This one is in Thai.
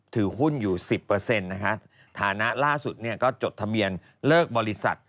ถือหุ้นอยู่๑๐นะคะฐานะล่าสุดก็จดทะเบียนเลิกบริษัท